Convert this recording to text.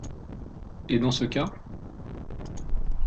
Et dans ce cas ?